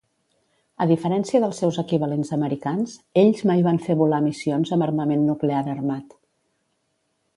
A diferència dels seus equivalents americans, ells mai van fer volar missions amb armament nuclear armat.